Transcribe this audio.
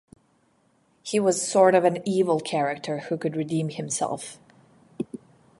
He was sort of an evil character who could redeem himself.